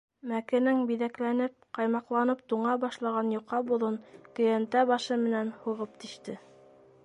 Мәкенең биҙәкләнеп, ҡаймаҡланып туңа башлаған йоҡа боҙон көйәнтә башы менән һуғып тиште.